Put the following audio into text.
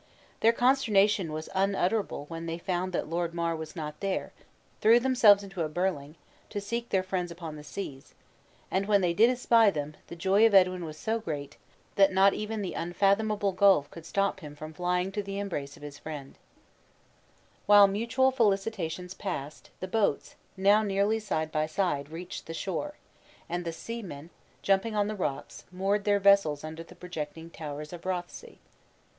Their consternation was unutterable when they found that Lord Mar was not there, threw themselves into a birling, to seek their friends upon the seas; and when they did espy them, the joy of Edwin was so great, that not even the unfathomable gulf could stop him from flying to the embrace of his friend. Birling is a small boat generally used by fishers. While mutual felicitations passed, the boats, now nearly side by side, reached the shore; and the seamen, jumping on the rocks, moored their vessels under the projecting towers of Rothsay.